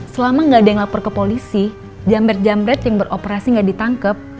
selama gak ada yang lapor ke polisi jamret jamret yang beroperasi gak ditangkep